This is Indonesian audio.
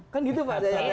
kan gitu pak